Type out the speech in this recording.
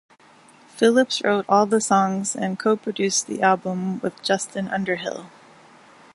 Phillips wrote all the songs and co-produced the album with Justin Underhill.